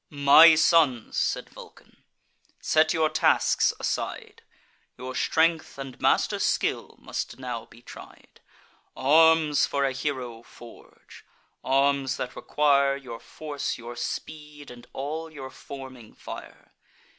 "My sons," said Vulcan, "set your tasks aside; Your strength and master skill must now be tried. Arms for a hero forge; arms that require Your force, your speed, and all your forming fire."